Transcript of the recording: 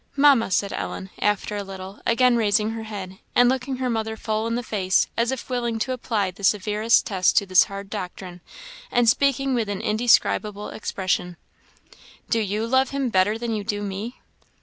"Mamma," said Ellen, after a little, again raising her head, and looking her mother full in the face, as if willing to apply the severest test to this hard doctrine, and speaking with an indescribable expression, "do you love him _better than you do me?